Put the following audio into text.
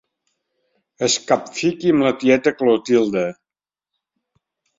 Es capfiqui amb la tieta Clotilde.